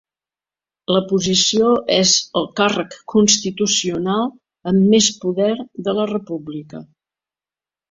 La posició és el càrrec constitucional amb més poder de la República.